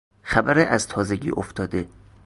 خبر از تازگی افتاده